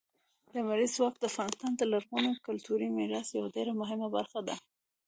لمریز ځواک د افغانستان د لرغوني کلتوري میراث یوه ډېره مهمه برخه ده.